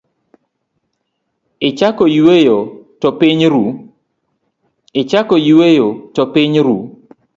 Ichako yueyo to piny ru.